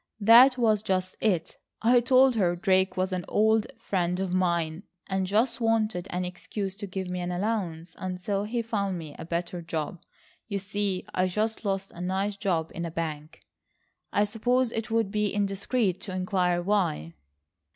"That was just it. I told her Drake was an old friend of mine, and just wanted an excuse to give me an allowance until he found me a better job. You see I just lost a nice job in a bank—" "I suppose it would be indiscreet to inquire why?"